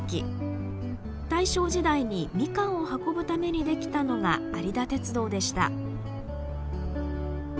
大正時代にみかんを運ぶためにできたのが有田鉄道でした。